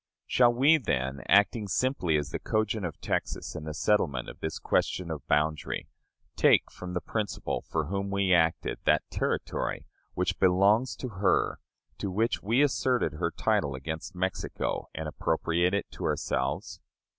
Shall we, then, acting simply as the cogent of Texas in the settlement of this question of boundary, take from the principal for whom we act that territory which belongs to her, to which we asserted her title against Mexico, and appropriate it to ourselves?